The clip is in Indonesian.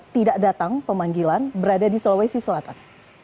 tidak datang pemanggilan berada di sulawesi selatan